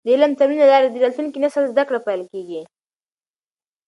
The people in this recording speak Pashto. د علم د تمرین له لارې د راتلونکي نسل زده کړه پېل کیږي.